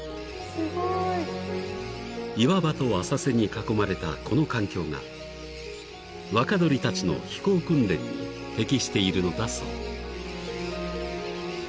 ［岩場と浅瀬に囲まれたこの環境が若鳥たちの飛行訓練に適しているのだそう］